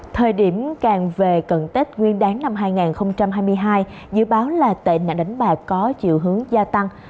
thời điểm càng về cận tết nguyên đáng năm hai nghìn hai mươi hai dự báo là tệ nạn đánh bạc có chiều hướng gia tăng